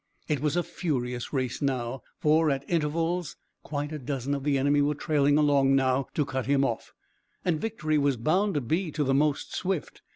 It was a furious race now, for at intervals quite a dozen of the enemy were trailing along now to cut him off, and victory was bound to be to the most swift.